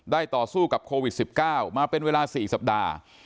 ต่อสู้กับโควิด๑๙มาเป็นเวลา๔สัปดาห์